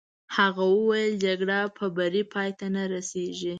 هغه وویل: جګړه په بري پای ته نه رسېږي.